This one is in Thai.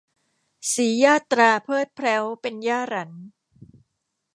สียาตราเพริศแพร้วเป็นย่าหรัน